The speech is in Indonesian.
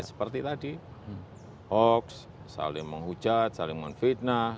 seperti tadi hoax saling menghujat saling menfitnah